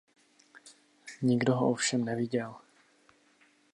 Nikdo ho ovšem neviděl.